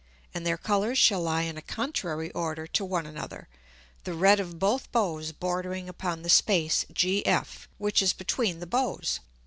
And their Colours shall lie in a contrary Order to one another, the red of both Bows bordering upon the Space GF, which is between the Bows.